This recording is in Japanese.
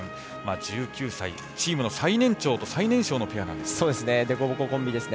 １９歳という、チームの最年長と最年少のペアなんですよね。